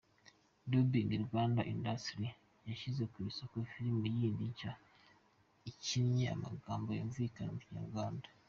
Dubbing Rwanda Industries yashyize ku isoko filimi yindi nshya ikinnye amagambo yumvikana mu Kinyarwanda.